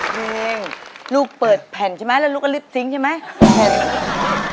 เพลงลูกเปิดแผ่นใช่ไหมแล้วลูกก็ลิปซิงค์ใช่ไหมแผ่น